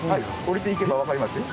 下りていけばわかりますよ。